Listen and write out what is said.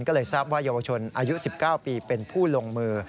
ก็เลยทราบว่าเยาวชนอายุ๑๙ปีเป็นผู้ลงมือ